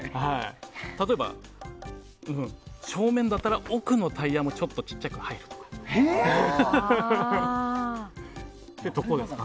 例えば、正面だったら奥のタイヤもちょっと小さく入るんですよ。